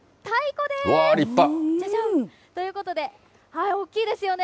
じゃじゃん、ということで大きいですよね。